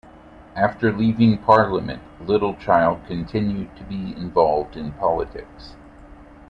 After leaving Parliament, Littlechild continued to be involved in politics.